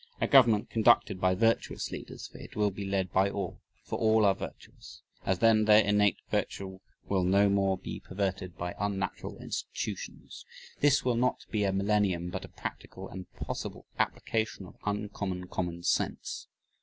A government conducted by virtuous leaders, for it will be led by all, for all are virtuous, as then their "innate virtue" will no more be perverted by unnatural institutions. This will not be a millennium but a practical and possible application of uncommon common sense.